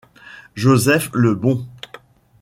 Joseph Le Bon.